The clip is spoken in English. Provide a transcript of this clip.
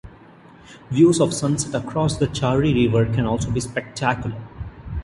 Views of sunset across the Chari River can also be spectacular.